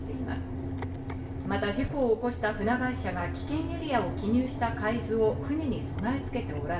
また事故を起こした船会社が危険エリアを記入した海図を船に備え付けておらず、